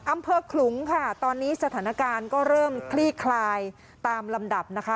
ขลุงค่ะตอนนี้สถานการณ์ก็เริ่มคลี่คลายตามลำดับนะคะ